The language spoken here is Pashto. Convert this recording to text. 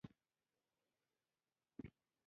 کله چې د عقلانيت پر ځای د لېونتوب پېريان کېني.